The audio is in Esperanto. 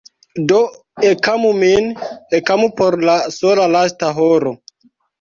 Do ekamu min, ekamu por la sola lasta horo.